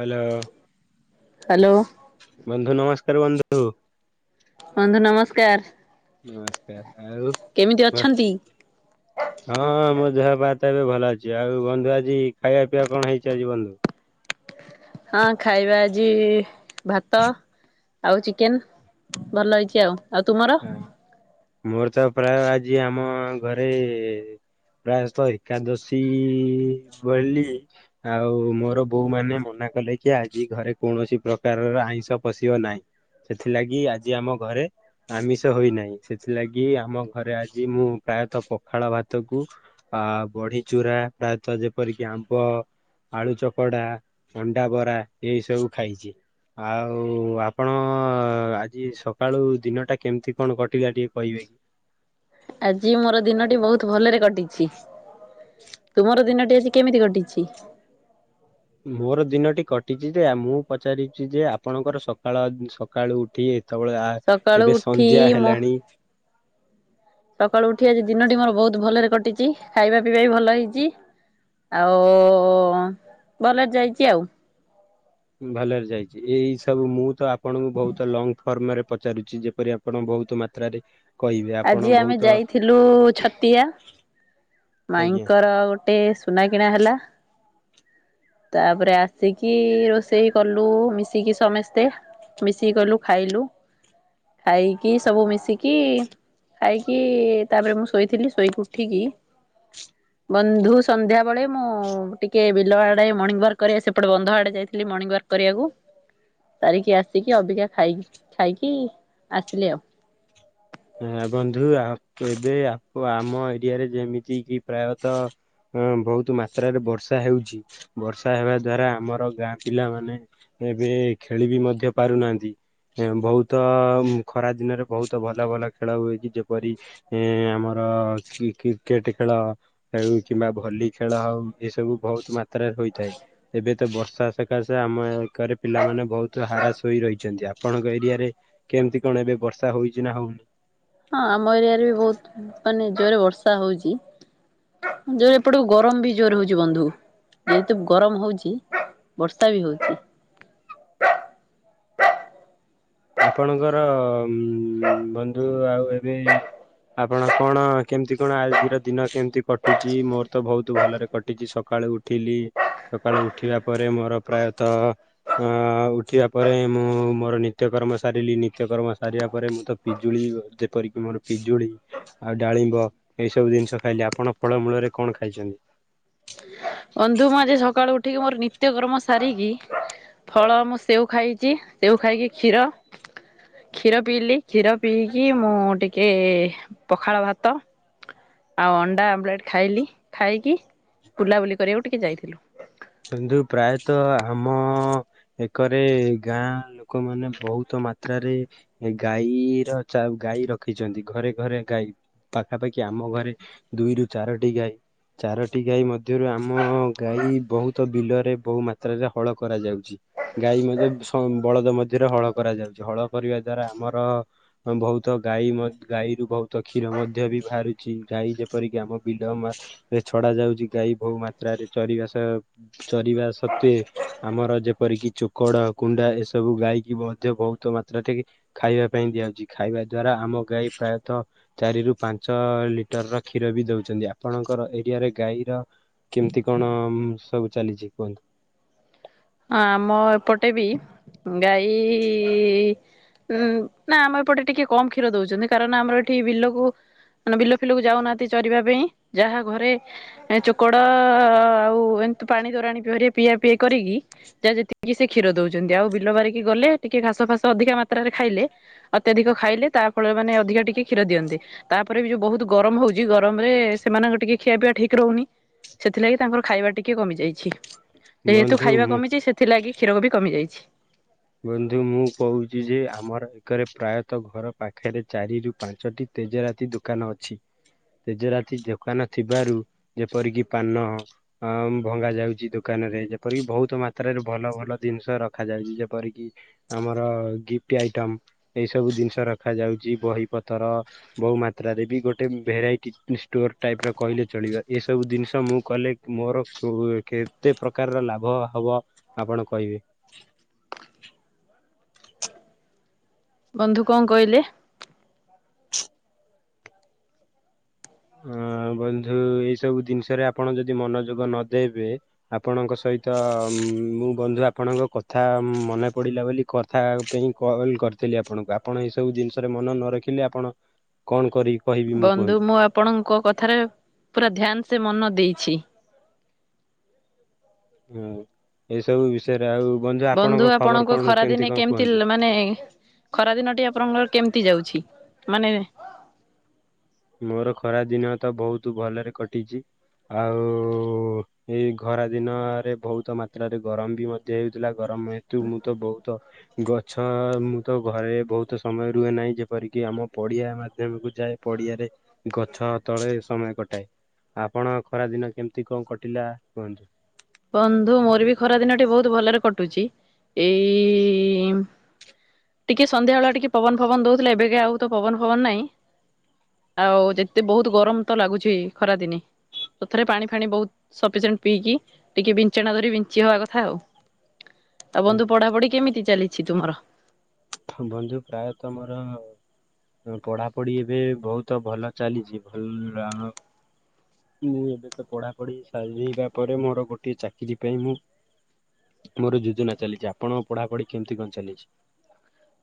Hello hello [inaudible] ବନ୍ଧୁ ନମସ୍କାର ବନ୍ଧୁ। ବନ୍ଧୁ ନମସ୍କାର। ନମସ୍କାର ଆଉ କେମିତି ମ ଅଛନ୍ତି? ହଁ ମ ଯ ବା ତ ଏବେ ଭଲ ଅଛି। ଆଉ ବନ୍ଧୁ ଆଜି ଖାଇବା ପିଇବା କଣ ହେଇଛି ଆଜି ବନ୍ଧୁ? ହଁ ଖାଇବା ଆଜି ଭାତ ଆଉ ଚିକେନ ଭଲ ହେଇଚି ଆ ହ ମୋର ତ ପ୍ରାୟ ଆଜି ଆମ ଘରେ ପ୍ରାୟତଃ ଏକାଦଶୀ ଭଳି ଆଉ ମୋର ବୋଉ ମାନେ ମ କଲେ କି ଆଜି ଘରେ କୌଣସି ପ୍ରକାରର ଆଇଁଷ ପଶିବ ନାହିଁ। ସେଥିଲାଗି ଆଜି ଆମ ଘରେ ଆମିଷ ହୋଇନାହିଁ। ସେଥିଲାଗି ଆମ ଘରେ ଆଜି ମୁଁ ପ୍ରାୟତଃ ପଖାଳ ଭାତକୁ ଆ ବଢି ଚୁରା ପ୍ରାୟତଃ ଯେପରିକି ଆମ୍ବ ଆଳୁ ଚପଡା ଅଣ୍ଡା ବରା ଏଇ ସବୁ ଖାଇଛି। ଆଉ ଆପଣ ଆଜି ସକାଳୁ ଦିନଟା କେମିତି କଣ କଟିଲା ଟିକେ କହିବେ କି? ଆଜି ମୋର ଦିନଟି ବହୁତ ଭଲରେ କଟିଛି। ତୁମର ଦିନଟି ଆଜି କେମିତି କଟିଛି? ମୋର ଦିନଟି କଟିଛି ଯେ ମୁଁ ପଚାରୁଛି ଯେ ଆପଣଙ୍କର ସକାଳ ସକାଳୁ ଉଠି ତାବେଳେ ଆ ସକାଳୁ ଏବେ ଉଠି ସନ୍ଧ୍ୟା ମୋ ହେଲାଣି ସକାଳୁ ଉଠି ଆଜି ଦିନଟି ମୋର ବହୁତ ଭଲରେ କଟିଛି ଖାଇବା ପିଇବା ବି ଭଲ ହେଇଚି। ଆଉ ଭଲେରେ ଯାଇଛି ଆଉ। ଭଲରେ ଯାଇଛି ଏଇ ସବୁ ମୁଁ ତ ଆପଣଙ୍କୁ ବହୁତ ଲଙ୍ଗ ଫର୍ମରେ ପଚାରୁଛି ଯେପରି ଆପଣ ବହୁତ ମାତ୍ରାରେ କହିବେ ଆଜି ଆପଣ ଆମେ ବହୁତ ଯାଇଥିଲୁ ଛତିଆ ଆଜ୍ଞା। ମାଇଙ୍କର ଗୋଟେ ସୁନା କିିଣା ହେଲା। [unintelligible] ତାପରେ ଆସିକି ରୋଷେଇ କଲୁ ମିଶିକି ସମସ୍ତେ। ମିଶିକି କଲୁ ଖାଇଲୁ ଖାଇକି ସବୁ ମିଶିକି ଖାଇକି ତାପରେ ମୁଁ ଶୋଇଥିଲି ଶୋଇକି ଉଠିକି ହ। ବନ୍ଧୁ ସନ୍ଧ୍ୟାବେଳେ ମୁଁ ଟିକେ ବିଲ ଆଡେ ମର୍ଣ୍ଣିଂ ୱାକ କରିବା ସେପଟେ ବନ୍ଧ ଆଡେ ଯାଇଥିଲି ମର୍ଣିଂ ୱକା କରିବାକୁ। ସାରିକି ଆସିକି ଅବିକା ଖାଇ ଖାଇକି ଆସିଲେ ଆଉ। ହିଁ ବନ୍ଧୁ ଏବେ ଆମ ଏରିଆରେ ଯେମିତି କି ପ୍ରାୟତଃ ହଁ ବହୁତ ମାତ୍ରାରେ ବର୍ଷା ହେଉଛି ବର୍ଷା ହେବା ଦ୍ଵାରା ଆମର ଗାଁ ପିଲାମାନେ ଏବେ ଖେଳି ବି ମଧ୍ୟ ପାରୁନାହାନ୍ତି ବହୁତ ଖରା ଦିନରେ ବହୁତ ଭଲ ଭଲ ଖେଳ ହୁଏ କି ଯେପରି ଆମର କ୍ରିକେଟ ଖେଳୁ କିମ୍ବା ଭଲି ଖେଳ ହଉ ଏସବୁ ବହୁତ ମାତ୍ରାରେ ହୋଇଥାଏ ଏବେ ତ ବର୍ଷା ସକାଶ ଆମ କରେ ପିଲାମାନେ ବହୁତ ହ୍ରାସ ହୋଇ ରହିଛନ୍ତି ଆପଣଙ୍କ ଏରିଆରେ କେମିତି କଣ ଏବେ ବର୍ଷା ହ ହଁ ଆମ ଏରିଆରେ ବି ବହୁତ ମାନେ ଜୋରରେ ବର୍ଷା ହୋଉଚି? ଯୋରେ ଏପଟକୁ ଗରମ ବି ଜୋରେ ହୋଉଚି ବନ୍ଧୁ। ଯେହେତୁ ଗରମ ହୋଉଚି ବର୍ଷା ବି ହୋଉଚି। [unintelligible] ଆପଣଙ୍କର ବନ୍ଧୁ ଆଉ ଏବେ ଆପଣ କଣ କେମତି କଣ ଆଜିର ଦିନ କେମିତି କଟୁଚି ମୋରୋ ତ ବୋହୁତ ଭଲରେ କଟିଚି ସକା କାଳୁ ଉଠିଲି ସକାଳୁ ଉଠିବା ପରେ ମୋର ପ୍ରାୟତଃ ଅଁ ଉଠିବା ପରେ ହିଁ ମୁଁ ମୋରୋ ନିତ୍ୟ ନିତ୍ୟ କର୍ମ ସାରିଲି ନିତ୍ୟ କର୍ମ ସାରିବା ପରେ ମୁଁ ତ ପିଜୁଳି ଯେପରି କି ମୋର ପିଜୁଳି ଆଉ ଡାଳି ଳିମ୍ବ ଏଇ ସବୁ ଜିନିଷ ଖାଇଲେ ଆପଣ ଫଳମୂଳରେ କଣ ଖାଇଛନ୍ତି। ବନ୍ଧୁ ମୁଁ ଆଜି ସକାଳୁ ଉଠିକି ମୋର ନିତ୍ୟ କର୍ମ ସାରିକି ଫଳ ମୁଁ ସେଓ ଖାଇଛି ସେଓ ଖାଇକି କ୍ଷୀର କ୍ଷୀର ପିଇଲି କ୍ଷୀର ପିଇକି ମୁଁ ଟିକେ ପଖାଳ ଭାତ ଆଉ ଅଣ୍ଡା ଆବଲେଟ ଖାଇଲି ଖାଇକି ବୁଲାବୁଲି କରିବାକୁ ଟିକେ ଯାଇଥିଲୁ। ବନ୍ଧୁ ପ୍ରାୟତଃ ଆମ ଏକରେ ଗାଁ ଲୋକମାନେ ବୋହୁତ ମାତ୍ରାରେ ଗାଈର ଚା ଗାଈ ରଖିଛନ୍ତି ଘରେ ଘରେ ଗାଈ ପାଖାପାଖି ଆମ ଘରେ ଦୁଇରୁ ଚାରଟି ଗାଈ ଚାରୋଟି ଗାଈ ମଧ୍ୟରୁ ଆମ ଗାଈ ବୋହୁ ତ ବିଲରେ ବୋହୁ ମାତ୍ରାରେ ହଳ କରାଯାଉଛି ଗାଈ ମଧ୍ୟ ଶ ବଳଦ ମଧ୍ୟରେ ହଳ କରାଯାଉଛି। ହଳ କରିବା ଦ୍ଵାରା ଆମର ବୋହୁତ ଗାଈ ମ ଗାଈରୁ ବୋହୁତ କ୍ଷୀର ମଧ୍ୟ ବି ବାହାରୁ ଛି ଗାଈ ଯେପରିକି ଆମ ବିଲ ମା ରେ ଛଡା ଯାଉଛି ଗାଈ ବୋହୂ ମାତ୍ରାରେ ଚରିବା ସହ ଚରିବା ସତ୍ତ୍ୱେ ଆମର ଯେ ଯେପରିକି ଚୋକଡ କୁଣ୍ଡା ଏସବୁ ଗାଈକି ମଧ୍ୟ ବୋହୁତ ମାତ୍ରା ଟ ଖାଇବା ପାଇଁ ଦିଆଯାଉଛି ଖାଇବା ଦ୍ଵାରା ଆମ ଗାଈ ପ୍ରାୟତଃ ଚାରି ରୁ ପାଞ୍ଚ ଲିଟରର କ୍ଷୀର ବି ଦୋଉଛନ୍ତି ଆପଣଙ୍କର ଏରିଆରେ ଗାଈର କେମିତି କଣ ସବୁ ଚାଲିଚି କୁହନ୍ତୁ? ଆମ ଏପଟେ ବି ଗାଈ ଉଁ ନା ଆମ ଏପଟେ ଟିକେ କମ୍ କ୍ଷୀର ଦୋଉଛନ୍ତି କାରଣ ଆମର ଏଠି ବିଲକୁ ମାନେ ବିଲ ଫିଲକୁ ଯାଉନାହାନ୍ତି ଚରିବା ପାଇଁ ଯାହା ଘରେ ଚୋକଡ ଆଉ କିନ୍ତୁ ପାଣି ତୋରାଣି ପି ହାରିକା ପିଆ ପିଇ କରିକି ଯାହା ଯେତିକି ସେ କ୍ଷୀର ଦୋଉଚନ୍ତି ଆଉ ବିଲ ବାରିକି ଗଲେ ଟିକେ ଘାସ ଫାସ ଅଧିକା ମାତ୍ରାରେ ଖାଇଲେ ଆଉ ଅତ୍ୟାଧିକ ଖାଇଲେ ତା ଫଳରେ ମାନେ ଅଧିକ ଟିକେ କ୍ଷୀର ଦିଅନ୍ତେ ତାପରେ ବି ଯୋଉ ବୋହୁତ ଗରମ ହୋଉଚି ଗରମରେ ସେମାନେ ତାଙ୍କ ଟିକେ ଖିଆ ପିଇବା ଠିକ୍ ରୋହୁନି ସେଥିଲାଗି ତାଙ୍କର ଖାଇବା ଟିକେ କମି ଯାଇଛି ବନ୍ଧୁ। ମୁଁ କମିଚି ସେଥିଲାଗି କ୍ଷୀରକୁ ବି କମି ଯାଇଛି। ବନ୍ଧୁ ମୁଁ କୋହୁଚି ଯେ ଆମର ଏକରେ ପ୍ରାୟତଃ ଘର ପାଖରେ ଚାରି ରୁ ପାଞ୍ଚଟି ତେଜରାତି ଦୂକାନ ଅଛି। ତେଜରାତି ଦୋକାନ ଥିବାରୁ ଯେପରିକି ପାନ ଅ ଭଙ୍ଗା ଯାଉଛି ଦୋକାନ ନେରେ ଯେପରିକି ବୋହୁତ ମାତ୍ରାରେ ଭଲ ଭଲ ଜିନିଷ ରଖାଯାଉଛି ଯେପରିକି କି ଆମର ଗିଫ୍ଟ ଆଇଟମ୍ ଏଇ ସବୁ ଜିନିଷ ରଖାଯାଉଚି ବହି ପତର ବୋହୂ ମାତ୍ରାରେ ବି ଗୋଟେ ଭେରାଇଟି ଷ୍ଟୋର ଟାଇପ୍ ର କହିଲେ ଚଳିବା ଏସବୁ ଦିନ୍ସ ମୁଁ କଲେ ମୋର କୋଉ କେତେ ପ୍ରକାରର ଲାଭ ହବ ଆପଣ କହିବେ ବନ୍ଧୁ କଁ କହିଲେ? ଅଁ। ବନ୍ଧୁ ଏଇ ସବୁ ଜିନିଷରେ ଆପଣ ଯଦି ମନଯୋଗ ନଦେବେ ଆପଣଙ୍କ ସହିତ ମୁଁ ବନ୍ଧୁ ଆପଣଙ୍କ କଥା ମନେ ପଡ଼ିଲା ବୋଲି କଥା ପେଇଁ କଲ୍ କରିଥିଲି ଆପଣଙ୍କୁ ଆ ଆପଣ ଏଇ ସବୁ ଜିନିଷରେ ମନ ନ ରଖିଲେ ଆପଣ କଣ କରିବି କହିବି ମୁଁ କୁହନ୍ତୁ? ଆପଣଙ୍କ କଥାରେ ପୁରା ଧ୍ୟାନ ସେ ମନ ଦେଇଛି। ହୁଁ ଏଇସବୁ ବିଷୟରେ ଆଉ ବନ୍ଧୁ ଖବର ଆପଣଙ୍କ କଣ ଖରାଦିନେ କଣ କେମିତି କୁହନ୍ତୁ? ଲା ମାନେ ଖରା ଦିନଟି ଆପଣଙ୍କର କେମିତି ଯାଉଛି ମାନେ ମୋରୋ ଖରା ଦିନ ତ ବୋହୁତୁ ଭଲରେ କଟିଚି। ଆଉ ଏଇ ଖରା ଦିନରେ ବୋହୁତ ମାତ୍ରାରେ ଗରମ ବି ମଧ୍ୟ ହେଉଥିଲା। ଗରମ ହେତୁ ମୁଁ ତ ବୋହୁତ ଗଛ ମୁଁ ତ ଘରେ ବୋହୁତ ସମୟ ରୁହେ ନାହିଁ ଯେପରିକି ଆମ ପଡିଆ ମାଧ୍ୟମକୁ ଯାଏ ପଡିଆରେ ଗଛ ତଳେ ସମୟ କଟାଏ। ଆପଣଙ୍କ ଖରା ଦିନ କେମିତି କଣ କଟିଲା କୁହନ୍ତୁ? ବନ୍ଧୁ ମୋର ବି ଖରା ଦିନଟି ବହୁତ ଭଲରେ କଟୁଛି ଏଇ ଟିକେ ସନ୍ଧ୍ୟା ବେଳ ଟିକେ ପବନ ଫବନ ଦଉଥିଲା ଏବେ କି ଆଉ ତ ପବନ ଫବନ ନାଇଁ ଆଉ ଯେତେ ବହୁତ ଗରମ ତ ଲାଗୁଛି ଖରାଦିନେ। ଥରେ ପାଣି ଫାଣି ବହୁତ ସପିସେଣ୍ଡ ପିଇକି ଟିକେ ବିଞ୍ଚଣା ଧରି ବିଞ୍ଚି ହବା କଥା ଆଉ। ତ ବନ୍ଧୁ ପଢାପଢି କେମିତି ଚାଲିଛି ତୁମର? ବନ୍ଧୁ ପ୍ରାୟତଃ ମୋର ପଢା଼ପଢି଼ ଏବେ ବହୁତ ଭଲ ଚାଲିଛି ଭଲ ମୁଁ ଏବେ ତ ପଢାପଢି ସ ହେଇବା ପରେ ମୋର ଗୋଟଏ ଚାକିରି ପାଇଁ ମୁଁ ମୋର ଯୋଜନା ଚାଲିଛି ଆପଣଙ୍କ ପଢାପଢି କେମିତି କଣ ଚାଲିଛି?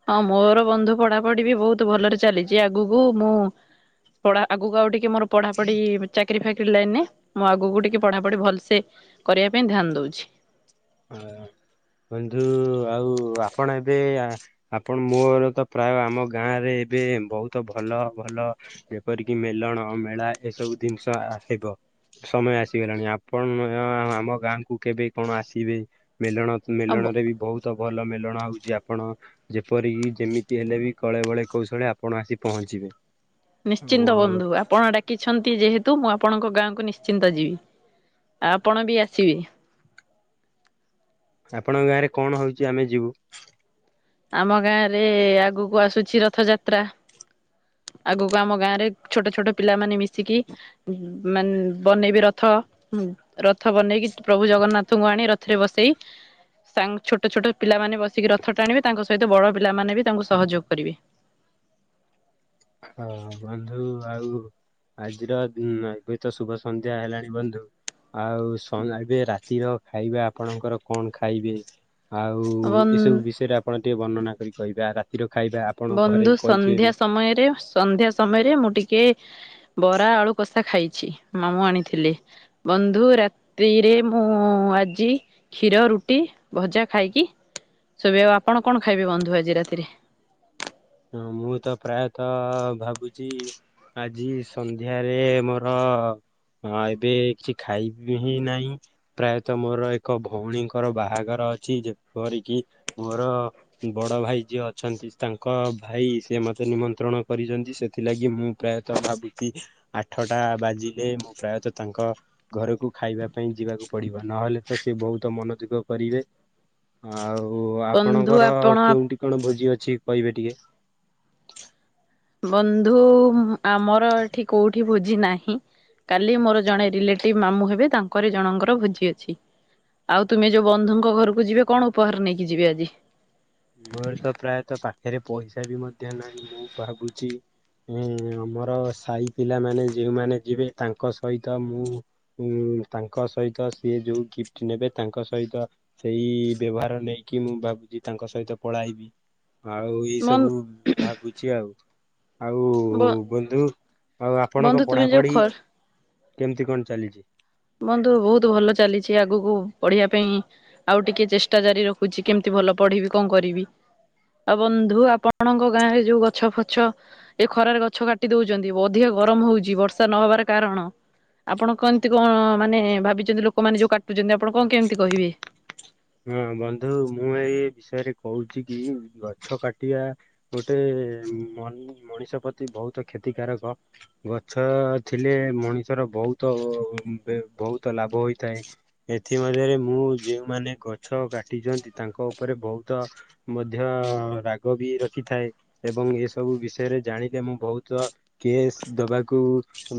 ହଁ ମୋର ବନ୍ଧୁ ପଢାପଢି ବି ବହୁତ ଭଲରେ ଚାଲିଛି ଆଗକୁ ମୁଁ ପଢା ଆଗକୁ ଆଉ ଟିକେ ମୋର ପଢାପଢି ଚାକିରି ଫାକିରି ଲାଇନରେ ମୁଁ ଆଗକୁ ଟିକେ ପଢାପଢି ଭଲସେ କରିବା ପାଇଁ ଧ୍ୟାନ ଦଉଛି। ହୁଁ। ବନ୍ଧୁ ଆଉ ଆପଣ ଏବେ ଆପଣ ମୋର ତ ପ୍ରାୟ ଆମ ଗାଁ ରେ ଏବେ ବହୁତ ଭଲ ଭଲ ଯେପରିକି ମେଲଣ ମେଳା ଏସବୁ ଜିନିଷ ହେବ। ସମୟ ଆସିଗଲାଣି ଆପଣ ଆମ ଗାଁ କୁ କେବେ କଣ ଆସି ଥିବେ ମେଳଣ ଆଉ ମେଳଣରେ ବି ବହୁତ। ଭଲ ମେଲଣା ହଉଛି ଆପଣ ଯେପରିକି ଯେମିତି ହେଲେ ବି କଳେ ବଳେ କୌଶଳେ ଆପଣ ଆସି ପହଞ୍ଚି ନିଶ୍ଚିନ୍ତ ବନ୍ଧୁ ଆପଣ ଡାକିଛନ୍ତି ଯେହେତୁ ମୁଁ ଆପଣଙ୍କ ଗାଁକୁ ନିଶ୍ଚିନ୍ତ ଯିବି ଆ ଆପଣ ବି ଆସିବେ? ଆପଣଙ୍କ ଗାଁରେ କଣ ହଉଛି ଆମେ ଯିବୁ। ଆମ ଗାଁ ରେ ଆଗକୁ ଆସୁଛି ରଥଯାତ୍ରା। ଆଗକୁ ଆମ ଗାଁରେ ଛୋଟ ଛୋଟ ପିଲାମାନେ ମିଶିକି ମାନେ ବନେଇବେ ରଥ। ରଥ ବନେଇକି ପ୍ରଭୁ ଜଗନ୍ନାଥଙ୍କୁ ଆଣି ରଥରେ ବସେଇ ସାଙ୍ଗ ଛୋଟ ଛୋଟ ପିଲାମାନୋ ବସିକି ରଥ ଟାଣିବେ। ତାଙ୍କ ସହିତ ବଡ ପିଲାମାନେ ବି ତାଙ୍କୁ ସହଯୋଗ କରିବେ। ହଁ ବନ୍ଧୁ ଆଉ ଆଜିର ଏବେ ତ ଶୁଭ ସନ୍ଧ୍ୟା ହେଲାଣି ବନ୍ଧୁ। ଆଉ ସେ ଵଅ ଏବେ ରାତିର ଖାଇବା ଆପଣଙ୍କର କଣ ଖାଇବେ? ଆଉ ବନ୍ ଏସବୁ ବିଷୟରେ ଆପଣ ଟିକେ ବର୍ଣନା କରି କହିବ । ବନ୍ଧୁ ସନ୍ଧ୍ୟା ସମୟରେ ସନ୍ଧ୍ୟା ସମୟରେ ମୁଁ ଟିକେ ବରା ଆଳୁ କଷା ଖାଇଛି ମାମୁଁ ଆଣିଥିଲେ। ବନ୍ଧୁ ରାତିିରେ ମୁଁ ଆଜି କ୍ଷୀର ରୁଟି ଭଜା ଖାଇକି ଶବେ ଆଉ ଆପଣ କଣ ଖାଇବେ ବନ୍ଧୁ ଆଜି ରାତିରେ ହଁ ମୁଁ ତ ପ୍ରାୟତ ଭାବୁଛି ଆଜି ସନ୍ଧ୍ୟାରେ ଏ ମୋର ହଁ ଏବେ କିଛି ଖାଇବି ହିଁ ନାହିଁ ପ୍ରାୟତ ମୋର ଏକ ଭଉଣୀଙ୍କର ବାହାଘର ଅଛି ଯେପରିକି ମୋର ବଡ଼ ଭାଇ ଯିଏ ଅଛନ୍ତି ତା ଙ୍କ ଭାଇ ସେ ମତେ ନିମନ୍ତ୍ରଣ କରିଛନ୍ତି ସେଥିଲାଗି ମୁଁ ପ୍ରାୟତଃ ଭାବୁଛି ଆଠଟା ବାଜିଲେ ମୁଁ ପ୍ରାୟତ ତାଙ୍କ ଘରକୁ ଖାଇବା ପାଇଁ ଯିବାକୁ ପଡ଼ିବ ନହେଲେ ତ ସେ ବହୁତ୍ ମ ମନ ଦୁଃଖ କରିବେ ଆଉ। ଓ ବନ୍ଧୁ ଆପଣଙ୍କର ଆପଣ କୋଉଠି କଣ ଭୋଜି ଅଛି କହିବେ ଟିକେ। ବନ୍ଧୁ ଆମର ଏଠି କୋଉଠି ଭୋଜି ନାହିଁ। କାଲି ମୋର ଜଣେ ରିଲେଟିଭ୍ ମାମୁଁ ହେବେ ତାଙ୍କର ଜଣଙ୍କର ଭୋଜି ଅଛି। ଆଉ ତୁମେ ଯୋଉ ବନ୍ଧୁଙ୍କ ଘରକୁ ଯିବେ କଣ ଉପହାର ନେଇକି ଯିବେ ଆଜି। ମୋର ତ ପ୍ରାୟତ ପାଖରେ ପଇସା ବି ମଧ୍ୟ ନାହିଁ ମୁଁ ଭାବୁଚି ହୁଁ ଆମର ସାହି ପିଲାମାନେ ଯେଉଁମାନେ ଯିବେ ତାଙ୍କ ସହିତ ମୁଁ ତାଙ୍କ ସହିତ ସିଏ ଯୋଉ ଗିଫ୍ଟ ନେବେ ତାଙ୍କ ସହିତ ସେଇ ବେଭାର ନେଇକି ମୁଁ ଭାବୁଛି ତାଙ୍କ ସହିତ ପଳାଇବି ଆଉ ଏଇ ବନ୍ ସବୁ ଭାବୁଛି ଆଉ। ଆଉ ବ ବନ୍ଧୁ ଆଉ ଆପଣଙ୍କ ବନ୍ଧୁ ତୁମେ ଯୋଉ ପଢ଼ାପଢ଼ି ଖ କେମିତି କଣ ଚାଲିଛି? ବନ୍ଧୁ ବହୁତ୍ ଭଲ ଚାଲିଛି ଆଗକୁ ପଢ଼ିବା ପାଇଁ ଆଉ ଟିକେ ଚେଷ୍ଟା ଜାରି ରଖୁଛି କେମିତି ଭଲ ପଢ଼ିବି କଣ କରିବି‌। ଆଉ ବନ୍ଧୁ ଆପଣଙ୍କ ଗାଁରେ ଯୋଉ ଗଛ ଫଛ ଏ ଖରାରେ ଗଛ କାଟି ଦଉଛନ୍ତି ଅଧିକା ଗରମ ହଉଛି ବର୍ଷା ନ ହେବାର କାରଣ ଆପଣ କ କଣ ମାନେ ଭାବିଛନ୍ତି ଲୋକମାନେ ଯୋଉ କାଟୁଚନ୍ତି ଆପଣ କଣ କେମିତି କହିବେ। ହଁ ବନ୍ଧୁ! ମୁଁ ଏଇ ବିଷୟରେ କହୁଛି କି! ଗଛ କାଟିଆ ଗୋଟେ ଏ ମନ୍-ମଣିଷ ପ୍ରତି ବହୁତ କ୍ଷତିକାରକ ଗଛ ଥିଲେ ମଣିଷ ବହୁତ ବେ ବହୁତ ଲାଭ ହୋଇଥାଏ। ଏଥି ମଧ୍ୟରେ ମୁଁ ଯେଉଁ ମାନେ ଗଛ କାଟିଛନ୍ତି, ତାଙ୍କ ଉପରେ ବହୁତ ମଧ୍ୟ-ଅ ରାଗ ବି ରଖିଥାଏ। ଏବଂ ଏସବୁ ବିଷୟରେ ଜାଣିଲେ ମୁଁ ବହୁତ କେସ୍ ଦବାକୁ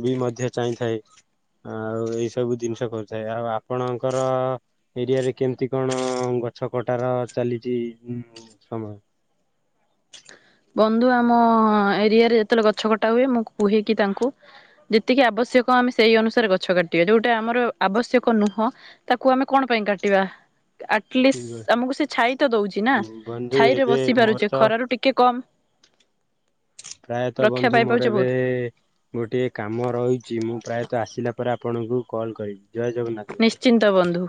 ବି ମଧ୍ୟ ଚାହିଁଥା ଏ। ଆଉ ଏଇ ସବୁ ଜିନିଷ କରୁଥାଏ। ଆଉ ଆପଣଙ୍କର ଏରିଆ ରେ କେମତି କଣ ଗଛ କଟାର ଚାଲିଛି ଉ ସମୟ? ବନ୍ଧୁ ଆମ-ଅ ଏରିଆରେ ଯେତେବେଳେ ଗଛ କଟା ହୁଏ ମୁଁ କୁହେ କି ତାଙ୍କୁ ଯେତିକି ଆବଶ୍ୟକ ଆମେ ସେଇ ଅନୁସାରେ ଗଛ କାଟିବା। ଯୋଉଟା ଆମର ଆବଶ୍ୟକ ନୁହଁ, ତାକୁ ଆମେ କଣ ପାଇଁ କାଟିବା? ଆଟଲିଷ୍ ଆମକୁ ସେ ଛାଇ ତ ଦଉଛି ନା ବନ୍ଧୁ ଛାଇ ରେ ଏବେ ବସି ମୋର ପାରୁଛେ ତ ଖରାରୁ ଟିକେ କମ ପ୍ରାୟତଃ ରକ୍ଷା ବନ୍ଧୁ ମୋର ପାଇପାରୁଛେ ବହୁତ ଏବେ-ଏ ଗୋଟିଏ କାମ ରହିଛି। ମୁଁ ପ୍ରାୟଃ ତ ଆସିଲା ପରେ ଆପଣଙ୍କୁ କଲ୍ କରିବି। ଜୟ ଜଗନ୍ନାଥ। ନିଶ୍ଚିନ୍ତ ବନ୍ଧୁ।